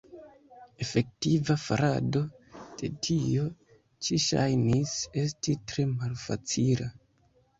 Efektiva farado de tio ĉi ŝajnis esti tre malfacila.